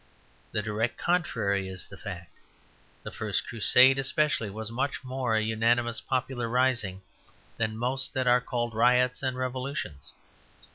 The direct contrary is the fact. The First Crusade especially was much more an unanimous popular rising than most that are called riots and revolutions.